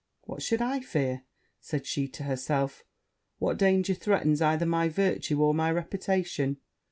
'What should I fear?' said she to herself; 'what danger threatens either my virtue or my reputation?